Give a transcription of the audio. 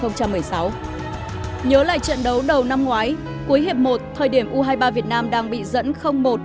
nhớ lại trận đấu đầu năm ngoái cuối hiệp một thời điểm u hai mươi ba việt nam đang bị dẫn một